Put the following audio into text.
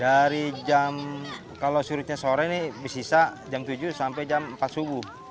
dari jam kalau surutnya sore ini disisa jam tujuh sampai jam empat subuh